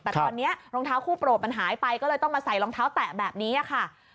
แต่ตอนนี้รองเท้าคู่โปรดมันหายไปก็เลยต้องมาใส่รองเท้าแตะแบบนี้ค่ะ